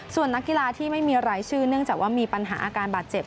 ส่วนนักกีฬาที่ไม่มีรายชื่อเนื่องจากว่ามีปัญหาอาการบาดเจ็บ